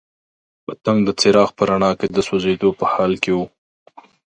پتنګ د څراغ په رڼا کې د سوځېدو په حال کې وو.